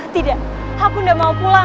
tidak aku tidak mau pulang